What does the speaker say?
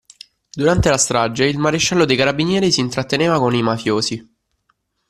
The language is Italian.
Durante la strage il maresciallo dei carabinieri si intratteneva con i mafiosi.